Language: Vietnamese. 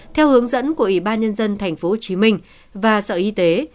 theo hướng dẫn của ubnd tp hcm và sở y tế